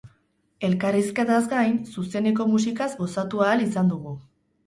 Elkarrizketaz gain, zuzeneko musikaz gozatu ahal izan dugu.